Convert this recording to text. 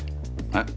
えっ？